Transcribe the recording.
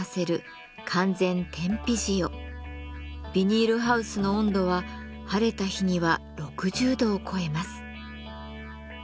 ビニールハウスの温度は晴れた日には６０度を超えます。